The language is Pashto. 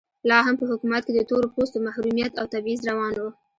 لا هم په حکومت کې د تور پوستو محرومیت او تبعیض روان و.